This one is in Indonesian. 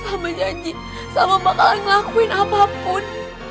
sama janji sama bakalan ngelakuin apapun